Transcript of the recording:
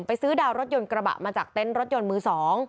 ซื้อดาวรถยนต์กระบะมาจากเต็นต์รถยนต์มือ๒